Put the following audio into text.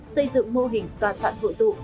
xây dựng mô hình tòa soạn vụ tụ